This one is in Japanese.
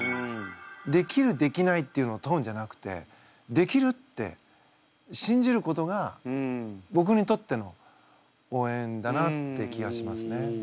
できるできないっていうのを問うんじゃなくてできるって信じることがぼくにとっての応援だなって気がしますね。